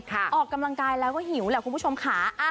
ออกกำลังกายแล้วก็หิวแหละคุณผู้ชมค่ะ